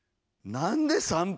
なんで３分？